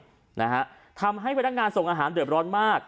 กลับทางวัน๑๒เพราะให้พนักงานส่งอาหารเดือบร้อนมาก